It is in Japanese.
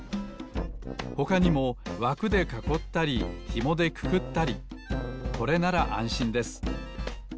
ほかにもわくでかこったりひもでくくったりこれならあんしんです。